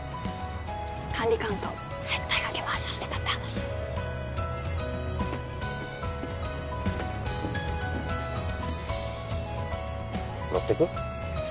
管理官と接待賭けマージャンしてたって話乗ってく？